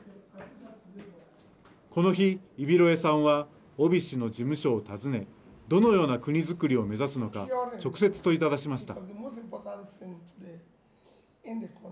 この日、イビロエさんはオビ氏の事務所を訪ねどのような国づくりを目指すのか直接、問いただしました。